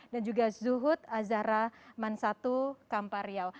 dan juga zuhud azhara mansatu kampar riau